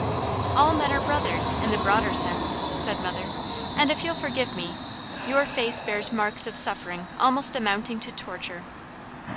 "All men are brothers, in the broader sense," said mother, "and if you'll forgive me, your face bears marks of suffering almost amounting to torture."